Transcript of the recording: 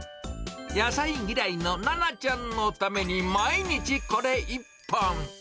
野菜嫌いのななちゃんのために毎日これ１本。